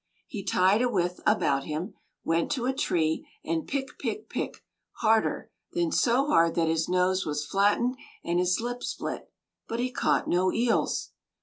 He tied a withe about him, went to a tree, and pick, pick, pick, harder, then so hard that his nose was flattened and his lip split; but he caught no eels.